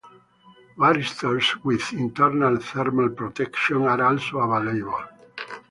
Varistors with internal thermal protection are also available.